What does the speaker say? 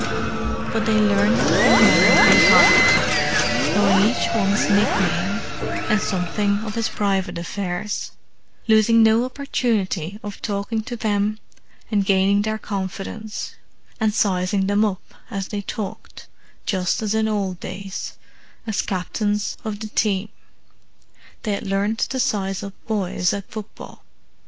But they learned their men by heart, knowing each one's nickname and something of his private affairs; losing no opportunity of talking to them and gaining their confidence, and sizing them up, as they talked, just as in old days, as captains of the team, they had learned to size up boys at football.